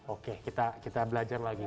oke kita belajar lagi